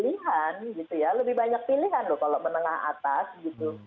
pilihan gitu ya lebih banyak pilihan loh kalau menengah atas gitu